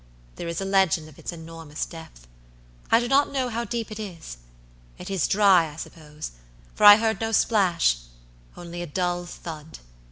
There is a legend of its enormous depth. I do not know how deep it is. It is dry, I suppose, for I heard no splash, only a dull thud.